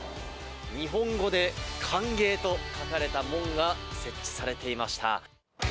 日本語で、歓迎と書かれた門が設置されていました。